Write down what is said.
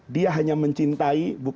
dia hanya mencintai